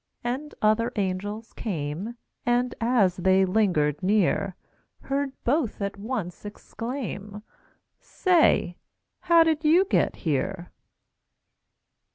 And other angels came, And, as they lingered near, Heard both at once exclaim: "Say, how did you get here?"